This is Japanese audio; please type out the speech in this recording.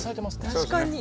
確かに。